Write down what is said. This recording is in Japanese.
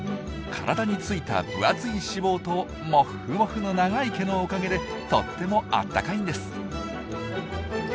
体についた分厚い脂肪とモッフモフの長い毛のおかげでとってもあったかいんです。